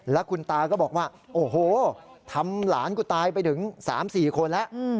แล้วคุณตาก็บอกว่าโอ้โหทำหลานกูตายไปถึง๓๔คนแล้ว